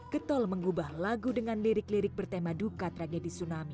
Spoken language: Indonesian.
getol mengubah lagu dengan lirik lirik bertema duka tragedi tsunami